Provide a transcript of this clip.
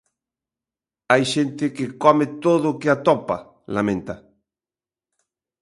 "Hai xente que come todo o que atopa", lamenta.